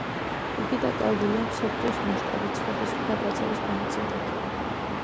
იგი დაკავებულია მსოფლიოს მასშტაბით სხვადასხვა გატაცების გამოძიებით.